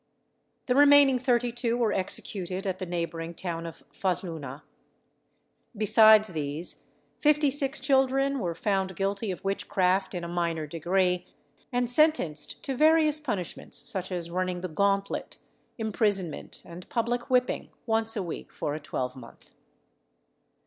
The remaining thirty two were executed at the neighbouring town of Fahluna. Besides these, fifty six children were found guilty of witchcraft in a minor degree, and sentenced to various punishments, such as running the gauntlet, imprisonment, and public whipping once a week for a twelvemonth.